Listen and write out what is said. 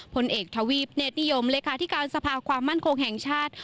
ผลเอกทวีปเนธนิยมเลขาธิการสภาความมั่นคงแห่งชาติ